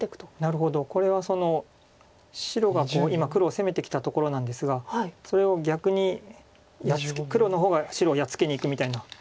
なるほどこれは白が今黒を攻めてきたところなんですがそれを逆に黒の方が白をやっつけにいくみたいな。